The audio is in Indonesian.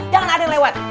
jangan ada yang lewat